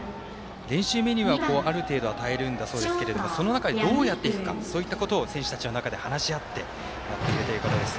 練習メニューはある程度、与えるんだそうですがその中でどうやっていくかそういったことを選手たちの中で話し合ってやっているということです。